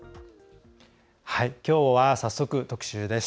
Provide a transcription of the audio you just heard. きょうは早速、特集です。